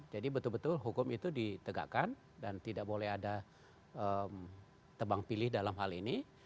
jadi betul betul hukum itu ditegakkan dan tidak boleh ada tebang pilih dalam hal ini